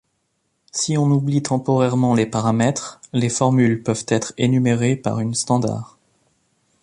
Si on oublie temporairement les paramètres, les formules peuvent être énumérées par une standard.